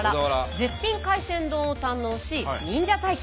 絶品海鮮丼を堪能し忍者体験。